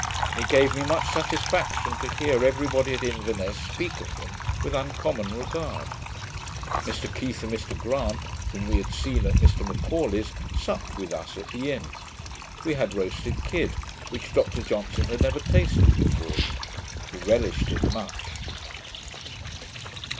It gave me much satisfaction to hear every body at Inverness speak of him with uncommon regard. Mr Keith and Mr Grant, whom we had seen at Mr M'Aulay's, supped with us at the inn. We had roasted kid, which Dr Johnson had never tasted before. He relished it much.